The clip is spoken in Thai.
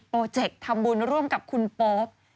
เจกต์ทำบุญร่วมกับคุณโป๊ป